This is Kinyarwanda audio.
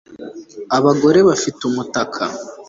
Abagore bafite umutaka